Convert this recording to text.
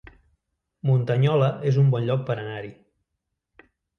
Muntanyola es un bon lloc per anar-hi